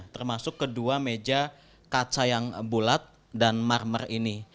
termasuk kedua meja kaca yang bulat dan marmer ini